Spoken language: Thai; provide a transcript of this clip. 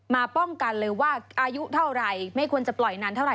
มาป้องกันเลยว่าอายุเท่าไหร่ไม่ควรจะปล่อยนานเท่าไ